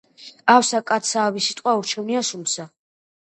ავსა კაცსა ავი სიტყვა ურჩევნია სულსა